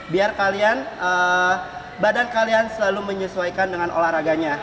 biar kalian badan kalian selalu menyesuaikan dengan olahraganya